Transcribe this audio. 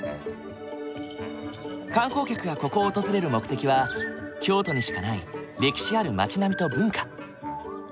観光客がここを訪れる目的は京都にしかない歴史ある町並みと文化。